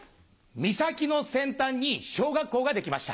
岬の先端に小学校ができました。